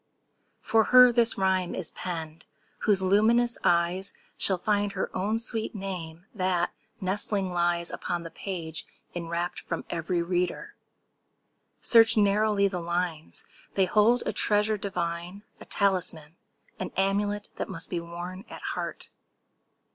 For her this rhyme is penned, whose luminous eyes, Brightly expressive as the twins of Leda, Shall find her own sweet name, that, nestling lies Upon the page, enwrapped from every reader. Search narrowly the lines!—they hold a treasure Divine—a talisman—an amulet That must be worn at heart.